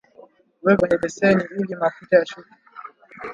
weka kwenye beseni ili mafuta yashuke